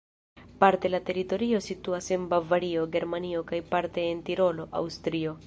Parte la teritorio situas en Bavario, Germanio kaj parte en Tirolo, Aŭstrio.